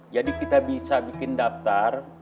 kita bisa bikin daftar